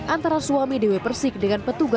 antara suami dewi persik dengan petugas